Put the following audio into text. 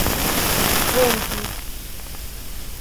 venkis